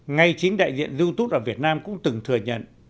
ngay chính đại diện youtube ở việt nam cũng từng thừa nhận